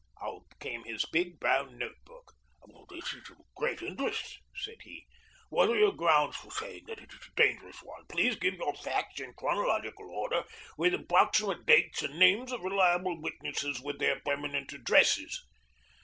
Out came his big brown note book. "This is of great interest," said he. "What are your grounds for saying that it is a dangerous one? Please give your facts in chronological order, with approximate dates and names of reliable witnesses with their permanent addresses."